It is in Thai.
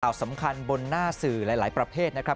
สำคัญบนหน้าสื่อหลายประเภทนะครับ